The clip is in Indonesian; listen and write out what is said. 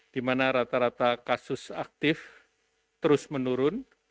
di mana rata rata kasus aktif terus menurun